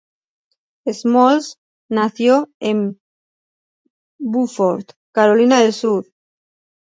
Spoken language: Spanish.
Smalls nació en Beaufort, Carolina del Sur.